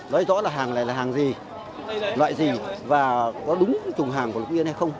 nói rõ là hàng này là hàng gì loại gì và có đúng chủng hàng của lục yên hay không